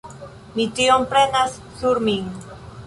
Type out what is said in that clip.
Mi tion prenas sur min.